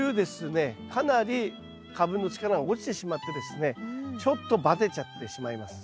かなり株の力が落ちてしまってですねちょっとバテちゃってしまいます。